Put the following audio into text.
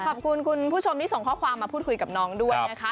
ขอบคุณคุณผู้ชมที่ส่งข้อความมาพูดคุยกับน้องด้วยนะคะ